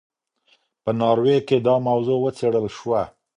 په ناروې کې دا موضوع وڅېړل شوه.